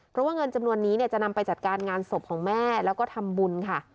เพราะว่าเงินจำนวนนี้เนี่ยจะนำไปจัดการงานศพของแม่แล้วก็ทำบุญค่ะ